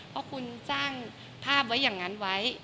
พอคุณจ้างภาพไว้อย่างงั้นไว้